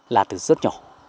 là từ rất nhỏ